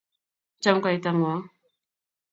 cham kaitang'wong'